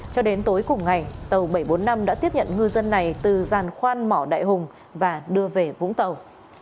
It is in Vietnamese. cho đến tối cùng ngày tàu bảy trăm bốn mươi năm đã tiếp nhận ngư dân này từ giàn khoan mỏ đại hùng và đưa về vũng tàu